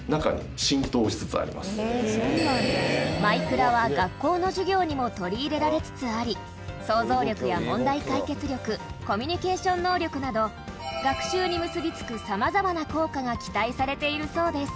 『マイクラ』は学校の授業にも取り入れられつつあり想像力や問題解決力コミュニケーション能力など学習に結び付く、さまざまな効果が期待されているそうです